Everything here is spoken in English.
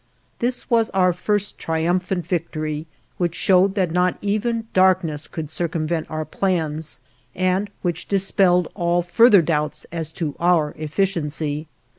This was our first triumphant victory, which showed that not even darkness could circumvent our plans, and which dispelled all further doubts as to our efficiency.